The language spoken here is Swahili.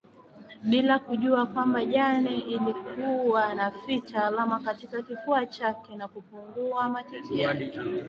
bila kujua kwamba Jane alikuwa anaficha alama katika kifua chake na kupungua matiti yake